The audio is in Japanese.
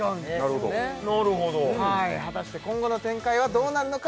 なるほどはい果たして今後の展開はどうなるのか？